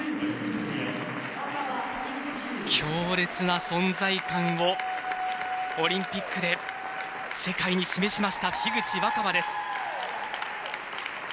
強烈な存在感をオリンピックで世界に示しました樋口新葉です。